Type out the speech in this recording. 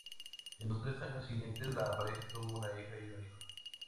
En los tres años siguientes, la pareja tuvo una hija y un hijo.